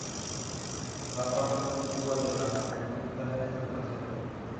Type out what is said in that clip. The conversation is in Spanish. La parte más antigua de la ermita es la trasera.